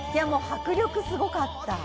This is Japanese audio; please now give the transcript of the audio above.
迫力すごかった。